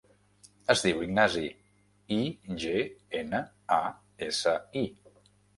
Es diu Ignasi: i, ge, ena, a, essa, i.